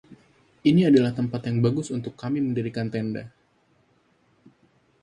Ini adalah tempat yang bagus untuk kami mendirikan tenda.